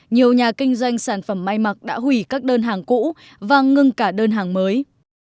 nhiều nhà kinh doanh sản phẩm may mặc đã hủy các đơn hàng cũ và ngưng cả đơn hàng mới